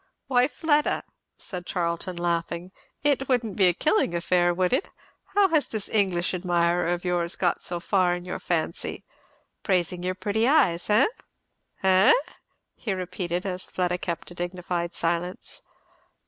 "Why, Fleda," said Charlton laughing, "it wouldn't be a killing affair, would it? How has this English admirer of yours got so far in your fancy? praising your pretty eyes, eh? Eh?" he repeated, as Fleda kept a dignified silence.